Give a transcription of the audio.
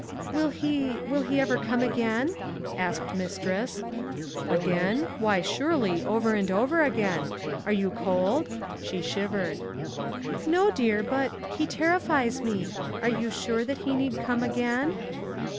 'Will he—will he ever come again?' asked mistress. 'Again? Why, surely, over and over again! Are you cold?' (she shivered). 'No, dear—but—he terrifies me: are you sure that he need come again?